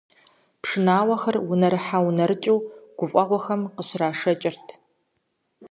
Пшынауэхэр унэрыхьэ-унэрыкӀыу гуфӀэгъуэхэм къыщрашэкӀырт.